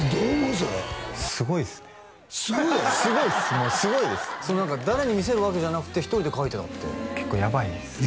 それすごいっすねすごいよなすごいっすもうすごいです誰に見せるわけじゃなくて１人で書いてたって結構やばいですね